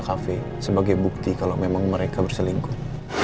terus aku gak bakal ngelakuin hal aneh